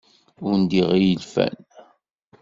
Undiɣ i yilfan.